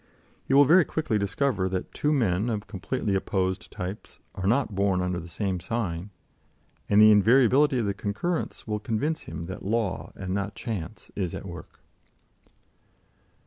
He will very quickly discover that two men of completely opposed types are not born under the same sign, and the invariability of the concurrence will convince him that law, and not chance, is at work.